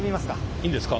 いいんですか？